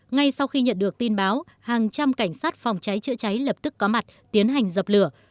ngay sau khi nhận được tin báo hàng trăm cảnh sát phòng cháy chữa cháy lập tức có mặt tiến hành dập lửa